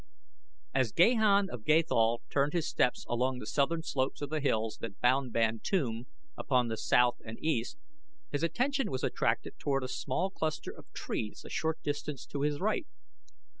As Gahan of Gathol turned his steps along the southern slopes of the hills that bound Bantoom upon the south and east, his attention was attracted toward a small cluster of trees a short distance to his right.